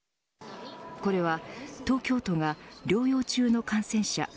これは東京都が療養中の感染者